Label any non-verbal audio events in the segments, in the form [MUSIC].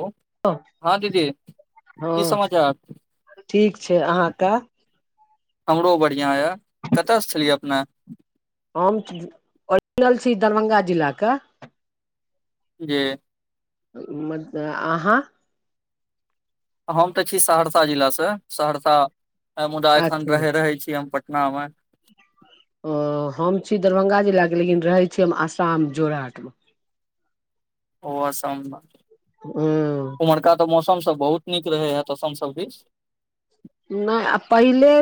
ह हँ दीदी की हँ समाचार। ठीक छै। अहाँके हमरो बढ़िआँ यए कतयसँ छलियै अपन हम प्रिगिनल छी दरभंगा जिला केँ जी [UNINTELLIGIBLE] अहाँ? हम तॅं छी सहरसा जिलासॅं, सहरसा मुदा एखन अच्छा रहे, रहै छी हम पटनामे ओ, हम छी दरभङंगा जिलाके लेकिन रहै छी हम आसाम जोरहटमे ओ असम हूॅं ओम्हरका तॅं मौसम सब बहुत नीक रहै हैत असम सब दिस नहि आ पहिले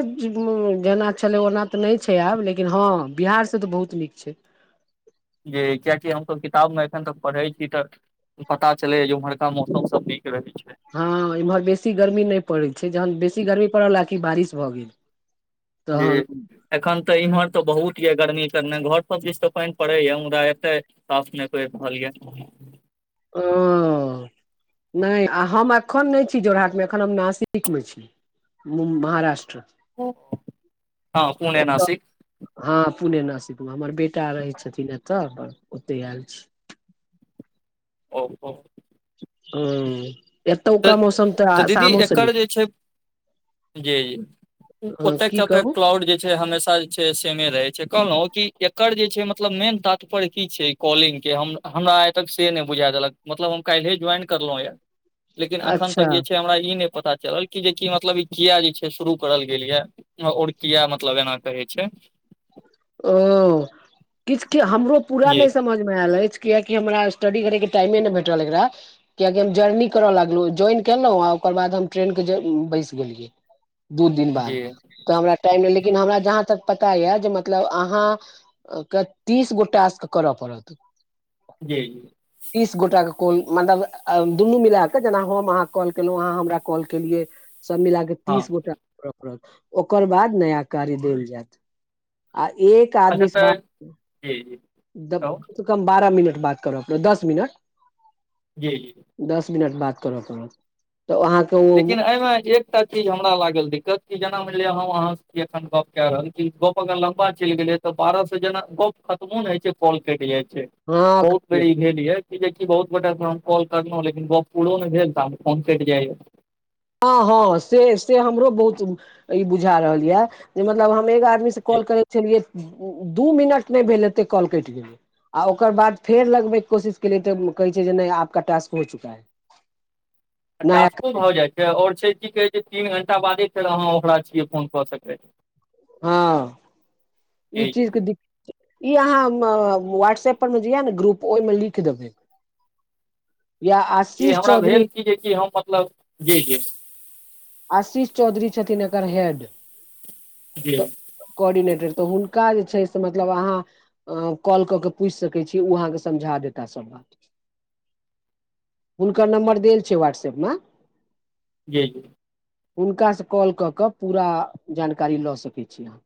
जेना छलै ओना तॅं नहि छै आब लेकिन हँ बिहार से तॅं बहुत नीक -नीक छै। जे कियाकि हमसभ किताबमे एखन तक पढ़ै छी तँ पता चलेैयए ओम्हरका मौसम सब नीक रहै छै हँ, एमहर बेसी गर्मी नहि पड़ैत छै जहन बेसी गर्मी पड़ल आकि बारिश भऽ गेल। जे तहन एखन तॅं इम्हर तॅं बहुत यए गर्मी करने घर पर दिस तऽ पानि पड़ैए मुदा एतय साफ नहि पड़ि रहलयए ओ, नहि आ हम एखन नहि छी जोराहाटमे एखन हम नासिकमे छी। मुम महाराष्ट्र हँ पुणे ओत नासिक हँ, पुणे नासिकमे हमर बेटा रहै छथिन एतय, ओतहि आयल छी ओ, ओ हूॅं, तऽ एतुका मौसम तॅं तऽ दीदी आसामोसॅं एकर नीक- जे छै जी, जी। उ हँ ओतेक की चते कहू क्लाउड जे छै हमेशा छै सेमे रहे छै, कहलहुँ कि एकर जे छै मतलब मेन तात्पर्य की छैय कॉलिंग के हम- हमरा आइ तक से नहि बुझा देलक मतलब हम काल्हिये ज्वाइन करलहुॅंयए लेकिन अखन अच्छा तक जे छै हमरा ई नहि पता चलल- जे कि मतलब ई किया जे छै शुरू करल गेल यए और किया मतलब एना कहै छै? ओ, किछको हमरो पूरा जी नहि समझ- मे आयल अछि कियाकि हमरा स्टडी करयके टाइमे नहि भेटल एकरा। कियाकि हम जरनी करय लगलहुँ ज्वाइन केलहुँ आ ओकर बाद हम ट्रेनके बैस गेलियै दू दिन बाद, जी तॅं हमरा टाइम नहि लेकिन हमरा जहाँ तक पता यए जे- मतलब अहाँके तीस गोट टास्क करऽ पड़त। जी तीस गोटाके कॉल मतलब दुनू मिला कऽ जेना हम अहाँके कॉल केलहुँ अहाँ हमरा कॉल केलियै। सब मिलाके हँ तीस गोटा करऽ पड़त, ओकर बाद नया कार्य देल जायत आ एक अच्छा आदमी से बात तॅं, जी कम कहू सॅं कम बारह मिनट बात करऽ पड़त, दस मिनट जी। दस मिनट बात करऽ पड़त, तँ अहाँ लेकिन एहिमे एक- एकटा चीज हमरा लागल दिक्कत कि जेना मानि लिअ हम अहाँ अखन गप कऽ रहल कि गप्प अगर लम्बा चलि गेलै- तॅं बारह से जेना गप्प खत्मो नै होइ छैय काॅल कटि जाय छै हँ बहुत बेर ई भेल याए कि जे कि बहुत गोटासॅं हम कॉल करलहुॅं लेकिन गप्प पूरो नहि भेल तामे फोन कटि जाइयाए हँ, हॅं से से हमरो बहुत ई बुझा रहल ये जे मतलब हम ओनिसे कॉल करै छलियै, दू मिनट नहि भेलहेतेै कॉल कटि गेलै आ ओकर बाद फेर लगबैके कोशिश केलियै तॅं कहै छै नहि आपका टास्क हो चुका है। नया टास्क भऽ जाइत छैय और छैय कि कहै छैय तीन घण्टा बादे फेर अहाँ ओकरा छियै फोन कऽ सकै छी ह ई छी। जी चीजके दिक्कत इ अहाँ व्हाट्सऐप पर मे जे यो ने ग्रुप ओहि मे लिख देबे य आस। इ हमरा भेल कि जेकि हम मतलब जेबे आशीष चौधरी छथिन एकर हे क कोर्डिनेटर त हुनका जे छैय से मतलब अहाँ अ कॉल कऽ के पूछि सकैत छी ओ अहाँकेँ समझा देता सभ बात [INAUDIBLE] हुनकर नम्बर देल छै व्हाट्सएप म जी। हुनकासँ कॉल कऽ पूरा जानकारी लऽ सकैत छी अहाँ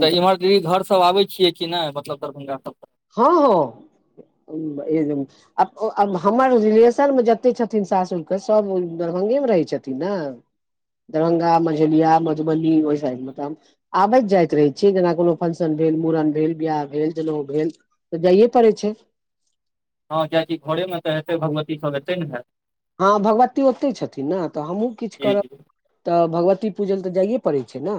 तऽ इम्हर दीदी घर सभ आबै छियै कि नहि मतलब दरभंगा सभ हँ ह आ हमर रिलेशनमे जतेक छथिन सासुरके सभ दरभंगमे रहै छथिन ने दरभंगा मझेलिया मधुबनी ओहि साइड मतलब। आबैत जाइत रहै छी जेना कोनो फंक्शन भेल, मुड़न भेल, बिियाह भेल, जनउ भेल, तऽ जाइए पड़ै छै। हँ कियकि घरेमे तऽ हेतै भगवती सभ हेतै ने हैत हँ भगवती ओतहि छथिन ने त हमहूँ किछु जी करब जी त भगवती पूजल तऽ जाइए पड़ै छै ने।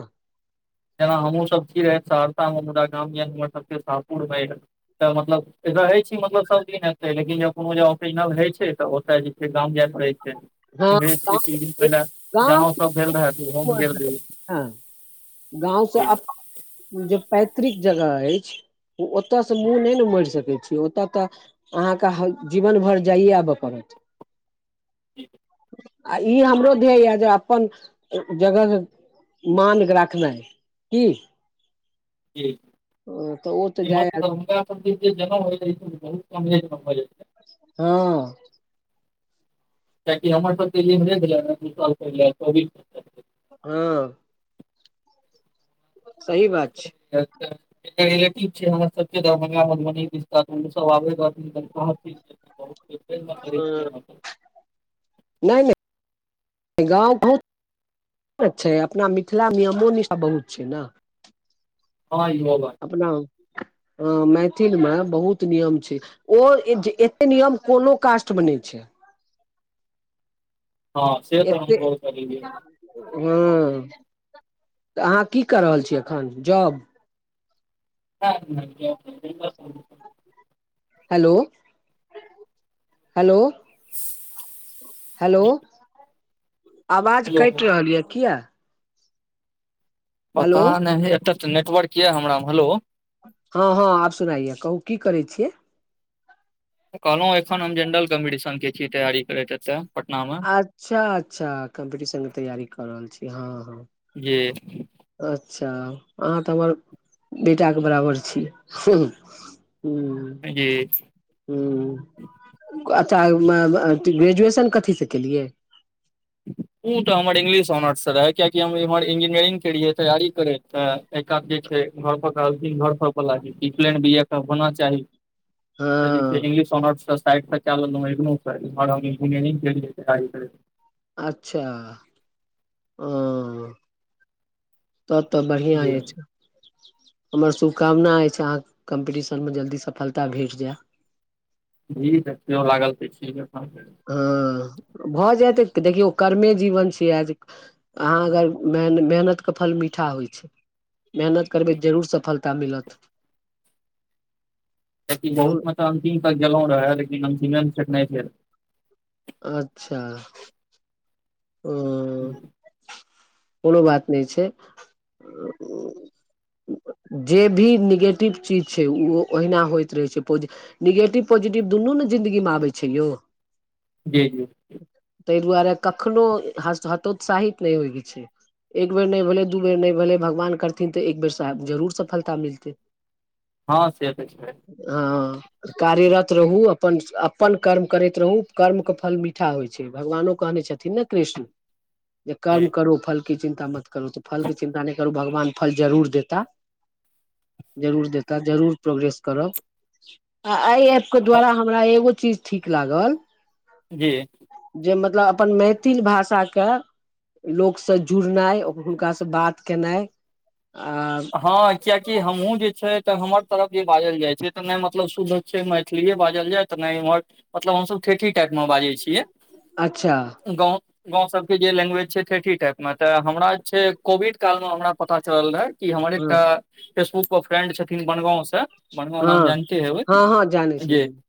जेना हमहहुँ सभ छी रहै सहरसामे हमरा गाम य हमर सभके शाहपुरमे य तऽ मतलब रहै छी मतलब सभ दिन एते लेकिन कोनो ऑपरिजनल होय छै तऽ ओतय के गाम जाय पड़ै छै। हँ गाँव इ्रेजके किछ दिन पहिले जनेउ सभ भेल रहै तऽ ओहोमे गेल द हँ गावसँ जे पैतृक जगह अछि ओतयसँ मुँह नहि ने मरि सकै छी ओतय त अहाँकेँ जीवन भरि जाइए आबय पड़त। हठ। आ ई हमरो ध्येय तै जे अपन जगह मान राख जी [UNINTELLIGIBLE] जनम होइै बहुत कम हो छै। ह कि हमर त पल उसाल पलबी ह सही बात छै रेटिव छै हमर सभ दरभंगा मधुबनी विस्त सभबे [UNINTELLIGIBLE] नहि नहि गाव बहुत अच छै अपना मिथिला मे अमो निशा बहुत छै न ह यब। अपना मैथिल मे बहुत नियम छै। ओ एते नियम कोनो कास्ट मे नहि छै। हँ से तऽ एत। हम गौर करलियै हूँ तऽ अहाँ की कर रहल छीयै एखन जॉब ह [UNINTELLIGIBLE] हेलो हेलो हेलो आवाज हेलो कटि रहल यऽ किया पता हेलो नहि एतऽ तऽ नेटवर्क यऽ हमरा मे हेलो हँ हँ आब सुनाइया कहू की करै छियै। कहलौं एखन हम जेनडल कम्पीटिशन के छी तैयारी करैत एतय अच्छा अच्छा कम्पीटिशन के तैयारी कर रहल छीयै हँ हँ। जी अच्छा अहाँ तऽ हमर बेटाके बराबर छी हूँ जी हूँ अच्छा ग्रेजुएशन कथीसँ केलियै? उ तऽ हमर इंग्लिश ऑनर्स स रहै कियकि हम इम्हर इंजीनियरिंग के रहि तैयारी करैत तऽ। एक कात जे छै घर परथिन घर पर ल इपलयन भी होना चाही [UNINTELLIGIBLE] हँ इंगलिश न सा इंियरिंग [UNINTELLIGIBLE] अच्छा ओ तब तऽ बढ़िआँ जी अछि हमर शुभकामना अछि अहाँके कम्पिटिशनमे जल्दी सफलता भेट जाय। जी देखियौ लागल त ठीक [UNINTELLIGIBLE] हँ भऽ जायत देखियौ कर्मे जीवन छियै आजीक अहाँ अगर मेन मेहनत के फल मीठा होइ छै। मेहनत करबै जरूर सफलता मिलथ। कियाकी बहुत मतलब अंतिम तक गेलो रहे लेकिन अंतिमे मे [UNINTELLIGIBLE] अच्छा ओ भेल कोनो बात नै छै अ उ जे भी नीगेटिव चीज छै उ ओहिना होइत रहै छै पोज निगेटिव पॉजिटिव दुनू ने जिंन्दगी मे आबै छै यौ। जी जी ताहि दुआरे कखनो हतो हतोत्साहित नै होइ के छै। एक बेर नै भेलै दू बेर नै भेलै भगवान करथिन तऽ एक बेरसँब जरूर सफलता मिलतै। हँ सेत छै। अ ओ कार्यरत रहू अपन अपन कर्म करैत रहू कर्मके फल मीठा होइ छै भगवानो कहने छथिन। ने कृष्ण जे जी कर्म करो फल की चिन्ता मत करू तऽ फल के चिन्ता नै करू भगवान फल जरूर देता। जरूर देता जरूर प्रोग्रेस करब। आ एई ऐपके द्वारा हमरा एगो चीज ठीक लागल जी जे मतलब अपन मै थिल भाषाके लोकसँ जुड़नाइ हुनकासँ बात केनाइ आ हँ कियकि हमहुँ जे छै हमर तरफ जे बाजल जाय छै त नै मतलब शुध से मैथिलीए बाजल जाय तऽ नै इम्हर मतलब हमसब ठेठी टाइपमे बाजै छियै। अच्छा गाँव गाँं सब के जे लेंगुएज छैतैतीटाईप में कोविड काल में हमरा पता चलल रहे। कि हमर हँ एकटा फेसबुक पर फ्रेंड छथिन बनगाँंव से बनगाँंव नाम हँ जानते हेबै हँ हँ जानै छी जानै छी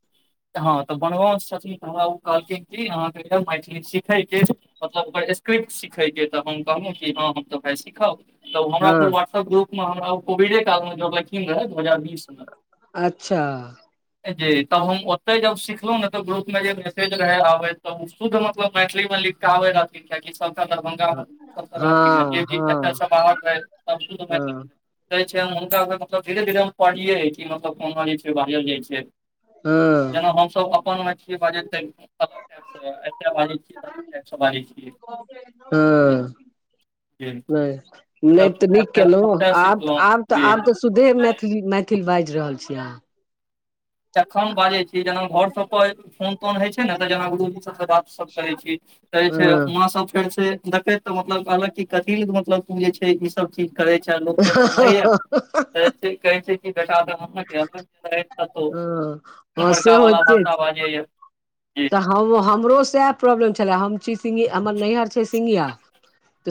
हँ तऽ बनवान छथिन तऽ हमरा ओ कहलखिन कि अहाँके मैथिली सीखयके मतलब ओकर स्किप्ट सीखयके तऽ हम कहलहुँ कि हँ हम तऽ भायइ सीखब। तऽ हमरा फेर हँ व्हाट्सएप ग्रुपमे हमरा ओ कोविडे कालमे जोरलैन। तखिन रह दू हजार बी कृष्णअ अच्छा जी तब हम ओते जब सिखलों ने त ग्रुप मे जे मेसेज रहे आबे त ओ शुद्ध मतलब मैथिली मे लिख ाबे रहथिन कआाकि सबस दरभंगा मे हँ सब रहथिन जे हँ भी ए हँ सब आत रहै हँ हुनका मतलब धीरे धीरे हम पढ़ियै कि मतलब कहना जे छै बाजल जाइ छै। हँ जेना हम सब अपन मैथिली बाजैत ऐतै बाजै छियै। हँ जे नहि नहि तब तऽ फेर हम केलो ओतय आब सिखलहुँ आब तऽ जे आब तऽ सुधे मैथिल मैथिल बाजि रहल छीै अहाँ एखन बाजै छी जेना घर सब पर फोन तोन होइ छै ने तऽ जेना गुरूजी सबसँ बात सब करै छी। कहै छै हँ वहं सब फेर से देखैत तऽ मतलब कहलक क कथिी मतलब जे छै? सब चीज करै छै लोक सब सुनैएा कहै छै बे [INAUDIBLE] हँ हँ, से उमहरका वालला होइते भाषा छै बाजै या तऽ हम हमरो सह प्रॉब्लम छले हम छी सि हमर नैहरा सिंघिया।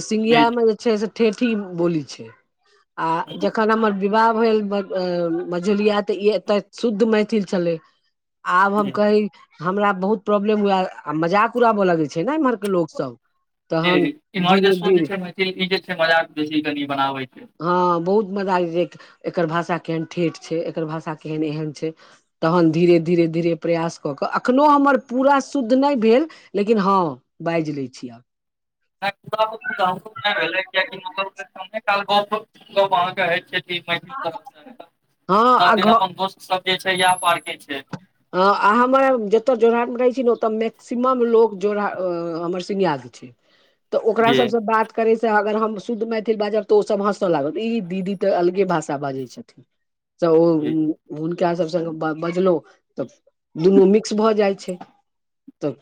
सीघि या। जी जी मेछै से ठेठी बोली छै। आ जखन हमर विवाह भेल मझोलिया तऽ ई एते शुद्ध मैथिल छलै आब हम जी कही हमरा बहुत प्रॉब्लम हुए आ मजाक उड़ाबय लगे छै ने इम्हर के ल लोकग सब तहन इम्हर धीरे जेसो जे धीरे छै मैथिल ई जे छै मजाक बेसी कनि बनाबयके अछि। हँ बहुत मजा आब छै एकर भाषा केहन ठेठ छै एकर भाषा केहन एहन छै तहन धीरे धीरे धीरे प्रयास कऽ कऽ अखन तैयोपूरा शुद्ध नहि भेल लेकिन हँ बाजि लै छीिय भेल कियकि मतलब अहाँ कहैत अछि मैथिल तरफ से हँ सब आ दिन घ अपन दोस्त सब जे छै इएह पारके छै ह आ हमर जते जोड़हट में रहे छी ने ओते मैक्सिमम लोग जोड़ हमर सिनियाद तऽ ओकरा जी सबसँ बात करैसँ अगर हम शुद्ध मैथिल बाजब तऽ हँसऽ लागत ई दीदी तऽ अलगे भाषा बाजै छै तऽ ओ जी हुनका सबसँ बजलहु तऽ दुनू मिक्स भऽ जाइ छै तऽ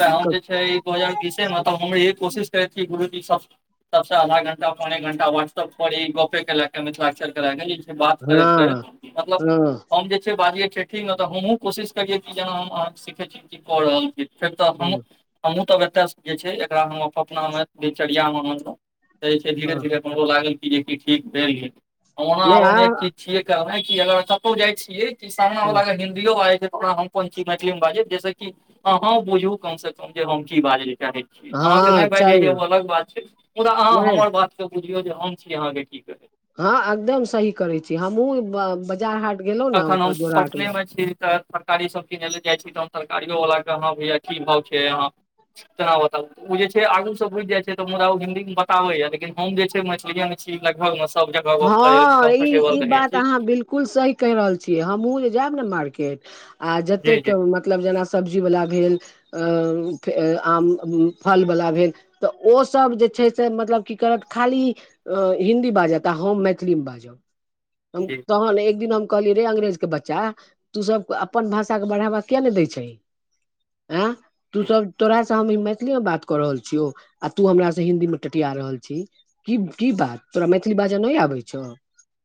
तऽ हम जे छै ई दू हजार बीसे मे तऽ हम इे कोशिश करैत छीिय गुरुजी सब सबसँ आधा घं्टा पौने एक घणटा व्हा्सप पर ई गपे के ले मिथिलाकर कर कर करैत हँ मतलब हँ हम जे छै बाज ठीक ने तऽ हमहूँ कोशिश करियै कि जेना हम अहाँके सीखैत छी कि कऽ रहल छी फेर तऽ हँ हम हमहूँ तब एतय जे छै एकरा हम अपना मे दिनचरियामेनलहुँं जे छै धीरे हँ धीरे हमर ल जे ठीक भेल गेल ओना नहि आ एक चीज छिय कह अगर कतहु जाय छीियै कि सामनाला हिन्दियो बाजै छै तोरा हम कोन ची मैथिली में बाजै जैसे कि हँ बुझू कम से कम जे हम की बाज ले चाहै छी अहाँकेँ हँ नै बाइज होइ छै चाही ओ अलग बात छै मुदा अहाँ नहि हमर बात बुझियौ जे हम छी अहाँ केँ की कर हँ एकदम सही करे छी हमहुँ बाजार हाट गेलहुँ ने तखन ओतऽ हम जोरहाट पटने मे छी तऽ तरकारी सब किनय लए जाइ छी तहन तरकारियो वला केँ अह भैया की भाव छै यहाँ केना बताब ओ जे छै आगू से बुझि जाइ छै तऽ मुदा हिन्दी में बताबैया लेकिन हम जे छै मैथिली छी लगभग मे सब जगह गप कम्फर्टेबल रह छी कुल सही कहि रहल छियै हमहुँ जे जायब ने मार्केट आ जते जी जी मतलब जेना सब्जीवला भेल आम फलवला भेल तऽ ओसभ जे छै से मतलब की करत खाली हिन्दी बाजत तऽ हम मैथिलीमे बाजब [INAUDIBLE] हम जी तहन एक दिन हम कहलियै रे अंग्रेज केँ बच्चा तू सब अपन भाषा केँ बढ़ावा किया नै दै छै ही अँ [INAUDIBLE] तू जी सब तोरा समने मे मैथिली में बात कऽ रहल छियौ आ तू हमरा से हिन्दी में टेटिया रहल छी की की बात तोरा मैथिली बाजा नै आबै छौ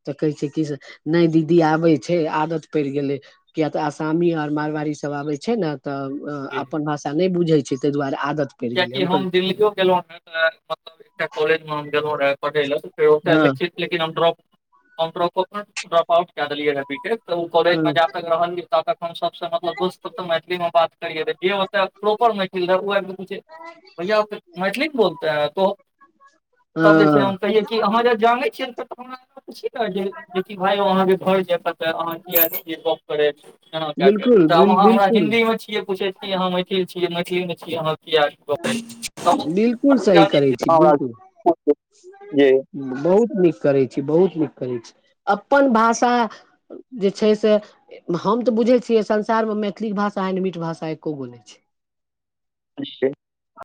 तऽ कहै छै की से नै दीदी आबै छै आदत पड़ि गेलै किया तऽ आसामी आ मारवाड़ी सब आबै छै न तऽ जी अपन भाषा नै बुझैत छै तैय दुआरे आदत पड़ि गेलै कियकि कहल हम दिल्लियो गेलो रह मतलब एकटा कॉलेज मे हम गेलो रह पढ़य लए फेर ओ त हँ लखित लेकिन हम ड्रॉप ड्रॉप अपन ड्रप आउट कए देलियै रैपिटे तऽ ओ कॉलेज म हँ जा तक रहलियै ता तक हम सब मतलब दोस्त मैथिली में बात कर जेे प्रोपर मैथिल रह ओ आइब कऽ पुछै [UNINTELLIGIBLE] [UNINTELLIGIBLE] तो तब जे छै हँ हम कहिै कि अहाँ जब जानै छियै [UNINTELLIGIBLE] की कहलियै भैय अहाँकेँ घर जाय पर तै है अहाँ किया नै ऐलै [UNINTELLIGIBLE] बिलकुल तब बिल आहाँ हम बिलकुल हिन्दी में छियै पुछैत की आहाँ मैथिल छियै मैथिली में बिलकुल सही करै छी बिलकुल [UNINTELLIGIBLE] बहुत नीक करै छी बहुत नीक करै छी अपन भाषा जे छै से हम तऽ बुझै छियै संसारमे मैथिली भाषा एंड मीठ भाषा एको गो नै छै [UNINTELLIGIBLE]